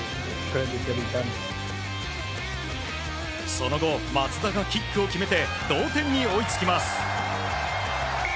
その後、松田がキックを決めて同点に追いつきます。